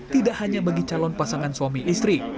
tidak hanya bagi calon pasangan suami istri